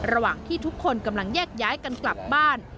ระหว่างที่ทุกคนกำลังแยกย้ายกันกลับบ้าน